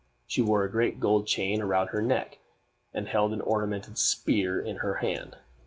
She wore a great gold chain about her neck, and held an ornamented spear in her hand.